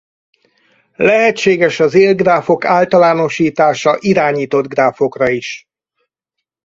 Lehetséges az élgráfok általánosítása irányított gráfokra is.